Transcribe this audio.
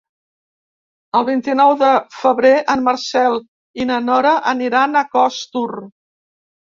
El vint-i-nou de febrer en Marcel i na Nora aniran a Costur.